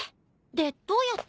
でどうやって。